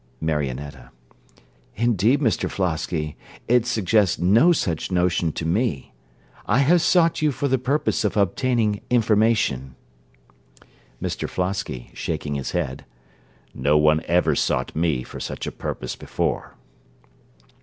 MARIONETTA Indeed, Mr Flosky, it suggests no such notion to me. I have sought you for the purpose of obtaining information. MR FLOSKY (shaking his head) No one ever sought me for such a purpose before.